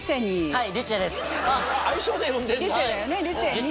はい。